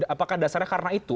apakah dasarnya karena itu